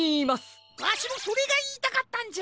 わしもそれがいいたかったんじゃ！